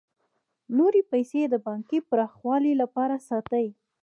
نورې پیسې د پانګې پراخوالي لپاره ساتي